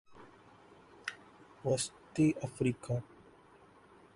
وسطی افریقہ